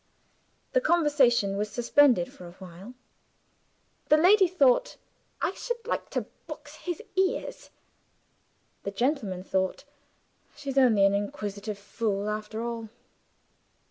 The conversation was suspended for a while. The lady thought, "I should like to box his ears!" The gentleman thought, "She's only an inquisitive fool after all!"